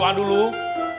sekarang kita berdoa dulu